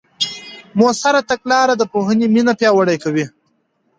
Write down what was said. مؤثره تګلاره د پوهې مینه پیاوړې کوي.